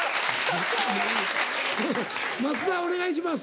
松田お願いします。